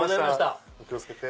お気を付けて！